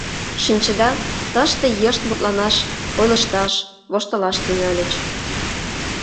Шинчеда, тыште йышт мутланаш, ойлышташ, воштылаш тӱҥальыч.